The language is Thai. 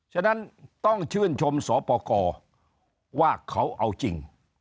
ฉะนั้นต้องชื่นชมสปกรว่าเขาเอาจริง